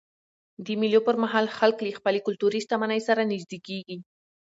د مېلو پر مهال خلک له خپلي کلتوري شتمنۍ سره نيژدې کېږي.